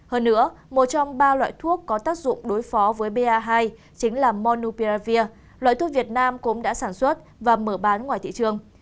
hơn nữa một trong ba loại thuốc có tác dụng đối phó với ba hai chính là monuperavir loại thuốc việt nam cũng đã sản xuất và mở bán ngoài thị trường